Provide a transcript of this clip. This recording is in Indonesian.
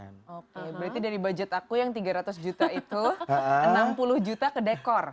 oke berarti dari budget aku yang tiga ratus juta itu enam puluh juta ke dekor